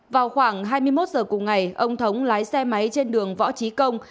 vào khoảng hai mươi một giờ cùng ngày ông thống lái xe máy trên đường võ trí công